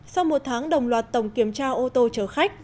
sau một tháng đồng loạt tổng kiểm tra ô tô chở khách